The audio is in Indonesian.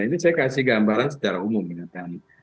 ini saya kasih gambaran secara umum ya kan